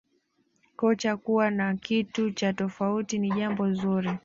kocha kuwa na kitu cha tofauti ni jambo zuri